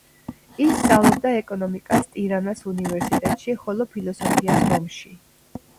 ის სწავლობდა ეკონომიკას ტირანას უნივერსიტეტში, ხოლო ფილოსოფიას რომში.